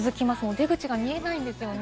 出口が見えないんですよね。